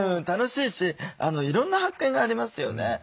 楽しいしいろんな発見がありますよね。